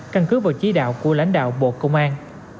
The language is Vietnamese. căn cứ vào chỉ đạo của lãnh đạo bộ công an